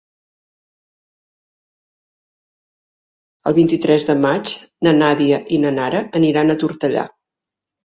El vint-i-tres de maig na Nàdia i na Nara aniran a Tortellà.